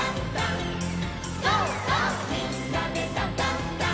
「みんなでダンダンダン」